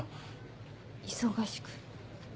忙しく。